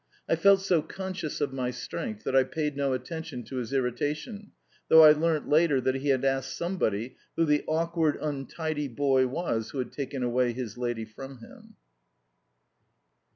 I felt so conscious of my strength that I paid no attention to his irritation, though I learnt later that he had asked somebody who the awkward, untidy boy was who, had taken away his lady from him.